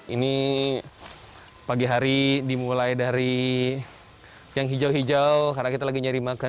ini pagi hari dimulai dari yang hijau hijau karena kita lagi nyari makan